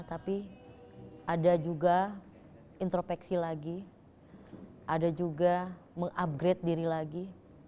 tapi ada juga intropeksi lagi ada juga mengupgrade diri lagi